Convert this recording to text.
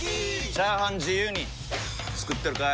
チャーハン自由に作ってるかい！？